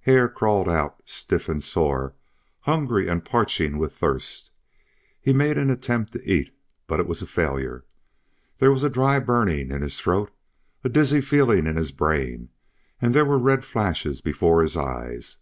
Hare crawled out, stiff and sore, hungry and parching with thirst. He made an attempt to eat, but it was a failure. There was a dry burning in his throat, a dizzy feeling in his brain, and there were red flashes before his eyes.